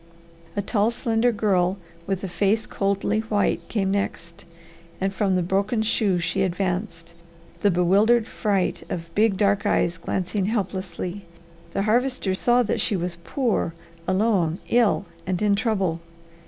A tall, slender girl with a face coldly white came next, and from the broken shoe she advanced, the bewildered fright of big, dark eyes glancing helplessly, the Harvester saw that she was poor, alone, ill, and in trouble.